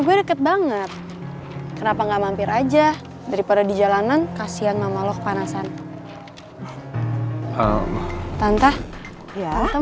gue deket banget kenapa enggak mampir aja daripada di jalanan kasihan mama lo kepanasan tantah ya atau